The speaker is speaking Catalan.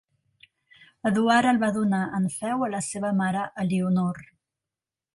Eduard el va donar en feu a la seva mare Elionor.